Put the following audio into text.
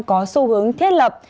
có xu hướng thiết lập